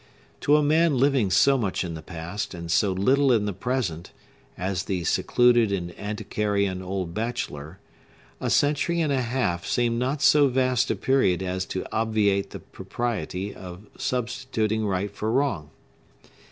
To a man living so much in the past, and so little in the present, as the secluded and antiquarian old bachelor, a century and a half seemed not so vast a period as to obviate the propriety of substituting right for wrong.